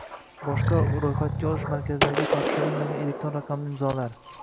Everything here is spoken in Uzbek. Boshqa ro‘yxatga olish markazlariga topshirilmagan elektron raqamli imzolar